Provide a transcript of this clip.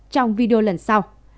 trong video lần sau